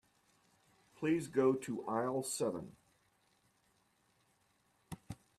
Please go to aisle seven.